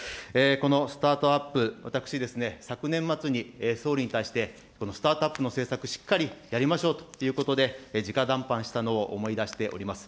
このスタートアップ、私、昨年末に総理に対して、このスタートアップの政策、しっかりやりましょうということで、じか談判したのを思い出しております。